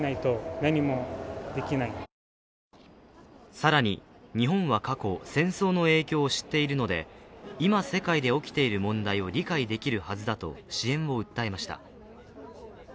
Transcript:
更に、日本は過去、戦争の影響を知っているので、今、世界で起きている問題を理解できるはずだと支援を訴えました。